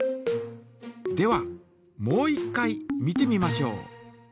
ではもう一回見てみましょう。